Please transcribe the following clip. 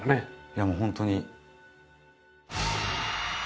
いやもう本当に。